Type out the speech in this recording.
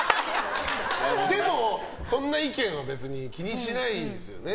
でも、そんな意見は別に気にしないですよね。